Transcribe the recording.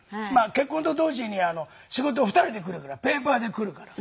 結婚と同時に仕事２人で来るからペーパーで来るから。